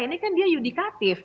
ini kan dia yudikatif